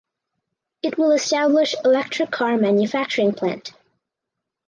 It will establish Electric car manufacturing plant.